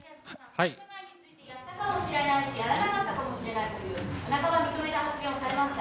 やったかもしれないし、やらなかったかもしれないという半ば認めたお答えがありました。